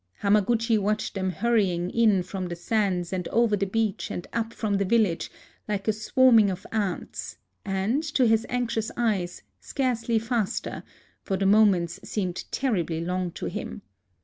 Hamaguchi watched them hurrying in from the sands and over the beach and up from the village, like a swarming of ants, and, to his anxious eyes, scarcely faster ; for the moments seemed terribly long to him.